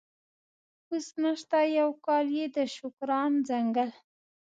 اوس نشته، یو کال یې د شوکران ځنګل.